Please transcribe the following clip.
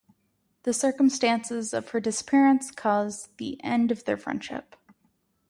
The circumstances of her disappearance cause the end of their friendship.